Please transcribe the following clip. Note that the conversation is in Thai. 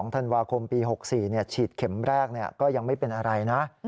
ธันวาคมปี๖๔ฉีดเข็มแรกก็ยังไม่เป็นอะไรนะ